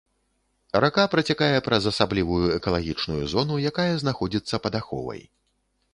Рака працякае праз асаблівую экалагічную зону, якая знаходзіцца пад аховай.